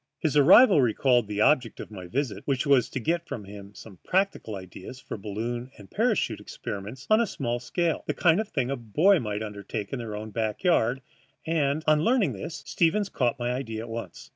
His arrival recalled the object of my visit, which was to get from him some practical ideas for balloon and parachute experiments on a small scale, the sort of thing boys might undertake in their own backyards; and, on learning this, Stevens caught my idea at once.